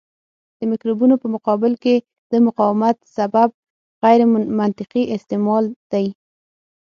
د مکروبونو په مقابل کې د مقاومت سبب غیرمنطقي استعمال دی.